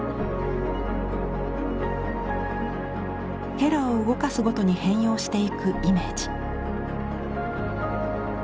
へらを動かすごとに変容していくイメージ。